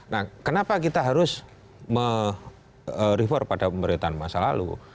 nah kenapa kita harus me refer pada pemerintahan masa lalu